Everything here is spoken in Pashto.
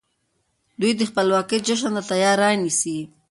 دوی د خپلواکۍ جشن ته تياری نيسي.